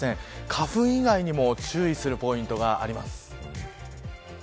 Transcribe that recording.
花粉以外にも注意するポイントがあります。